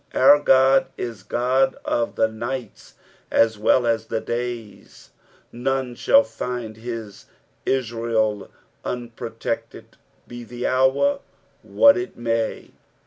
Our Ood is God of the uights as well as the days ; none shall £nd nis Israel unpro tected, be the hour what it may.